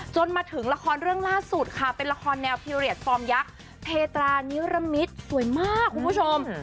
มาถึงละครเรื่องล่าสุดค่ะเป็นละครแนวพีเรียสฟอร์มยักษ์เพตรานิรมิตสวยมากคุณผู้ชม